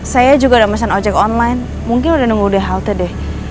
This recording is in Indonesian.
saya juga udah mesen ojek online mungkin udah nunggu di halte deh